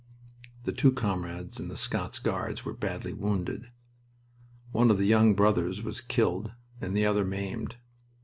The two comrades in the Scots Guards were badly wounded. One of the young brothers was killed and the other maimed.